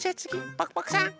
パクパクさん。